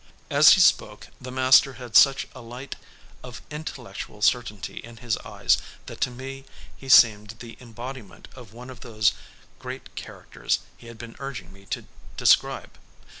As he spoke the master had such a light of intellectual certainty in his eyes that to me he seemed the embodiment of one of those great characters he had been urging me to describe.